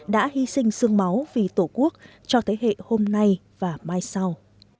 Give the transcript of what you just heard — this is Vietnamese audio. đã hy sinh sương máu vì tổ quốc cho thế hệ hôm nay và mai sau